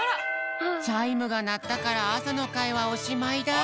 チャイムがなったからあさのかいはおしまいだ。